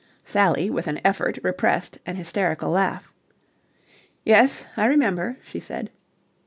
Sally with an effort repressed an hysterical laugh. "Yes, I remember," she said.